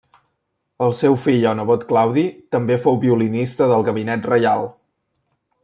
El seu fill o nebot Claudi també fou violinista del gabinet reial.